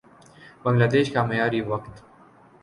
بنگلہ دیش کا معیاری وقت